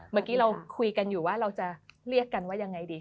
เมื่อกี้เราคุยกันอยู่ว่าเราจะเรียกกันว่ายังไงดี